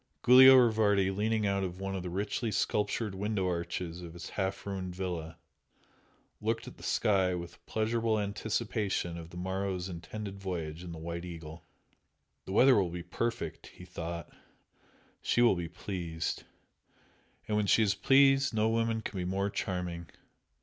Giulio Rivardi, leaning out of one of the richly sculptured window arches of his half ruined villa, looked at the sky with pleasurable anticipation of the morrow's intended voyage in the "White Eagle." "The weather will be perfect!" he thought "She will be pleased. And when she is pleased no woman can be more charming!